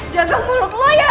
jaga mulut lo ya